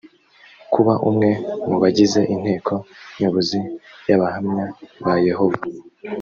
kuba umwe mu bagize inteko nyobozi y abahamya ba yehova